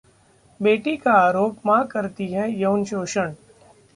बेटी का आरोप मां करती है यौन शोषण